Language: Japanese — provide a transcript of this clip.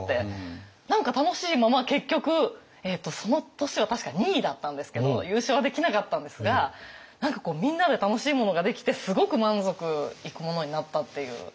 何か楽しいまま結局その年は確か２位だったんですけど優勝はできなかったんですが何かみんなで楽しいものができてすごく満足いくものになったっていうのがありました。